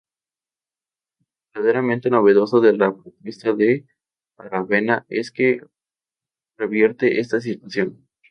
Lo verdaderamente novedoso de la propuesta de Aravena es que revierte esta situación.